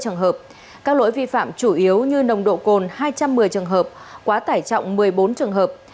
hai trăm năm mươi trường hợp các lỗi vi phạm chủ yếu như nồng độ cồn hai trăm một mươi trường hợp quá tải trọng một mươi bốn trường hợp